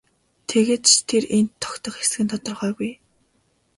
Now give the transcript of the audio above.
Тэгээд ч тэр энд тогтох эсэх нь тодорхойгүй.